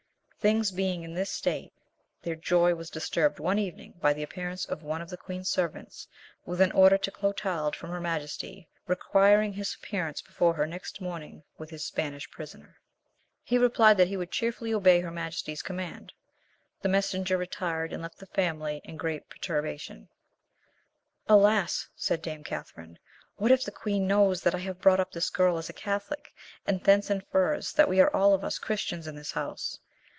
Things being in this state, their joy was disturbed one evening by the appearance of one of the Queen's servants with an order to Clotald from her Majesty, requiring his appearance before her next morning with his Spanish prisoner. He replied that he would cheerfully obey her Majesty's command. The messenger retired, and left the family in great perturbation; "Alas," said dame Catherine, "what if the Queen knows that I have brought up this girl as a Catholic, and thence infers that we are all of us Christians in this house!